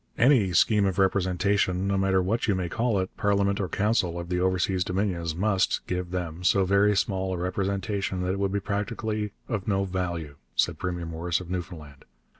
'Any scheme of representation no matter what you may call it, parliament or council of the overseas Dominions must [give them] so very small a representation that it would be practically of no value,' said Premier Morris of Newfoundland.